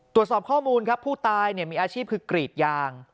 ตรวจสอบข้อมูลครับผู้ตายมีอาชีพคือกรีดยาง